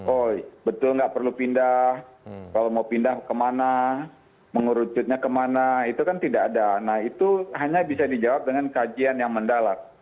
oh betul nggak perlu pindah kalau mau pindah kemana mengerucutnya kemana itu kan tidak ada nah itu hanya bisa dijawab dengan kajian yang mendalam